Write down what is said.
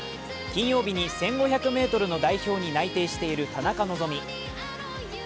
金曜日に１５００ｍの代表に内定している田中希実。